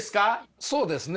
そうですね。